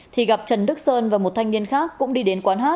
thì gặp trần đức sơn và một thanh niên khác cũng đi đến quán hát